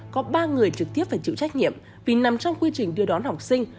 có ba người trực tiếp phải chịu trách nhiệm vì nằm trong quy trình đưa đón học sinh